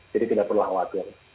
jadi tidak perlu khawatir